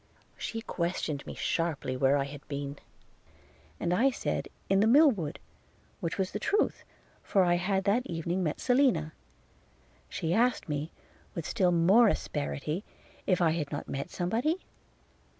– She questioned me sharply where I had been; and I said in the mill wood, which was the truth; for I had that evening met Selina. She asked me, with still more asperity, if I had not met somebody?